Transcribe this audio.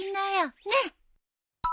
ねっ。